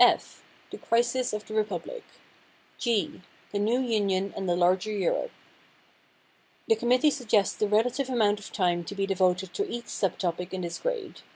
F "The Crisis of the Republic." G "The New Union and the Larger Europe." The committee suggests the relative amount of time to be devoted to each sub topic in this grade.